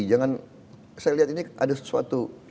jangan saya lihat ini ada sesuatu